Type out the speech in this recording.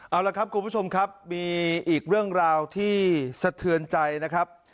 เอาละครับคุณผู้ชมครับมีอีกเรื่องราวที่สะเทือนใจนะครับ